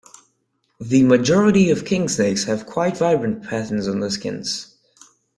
The majority of kingsnakes have quite vibrant patterns on their skins.